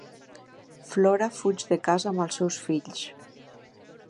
Flora fuig de casa amb els seus fills.